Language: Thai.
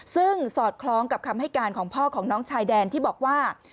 ซึ่งสอดคล้องกับคำให้การของพ่อของน้องชายแดนที่บอกว่า